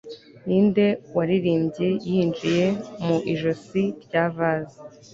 Ninde waririmbye yinjiye mu ijosi rya vase